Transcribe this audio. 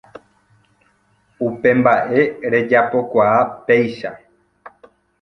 Upe mbaʼe rejapokuaa péicha.